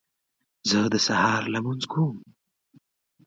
زه د سهار لمونځ کوم